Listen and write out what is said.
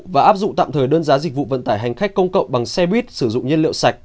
và áp dụng tạm thời đơn giá dịch vụ vận tải hành khách công cộng bằng xe buýt sử dụng nhiên liệu sạch